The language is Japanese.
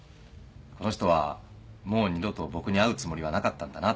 この人はもう二度と僕に会うつもりはなかったんだなって。